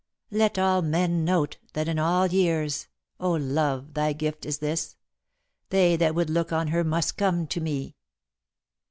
Let all men note That in all years (Oh, love, thy gift is this!) They that would look on her must come to me."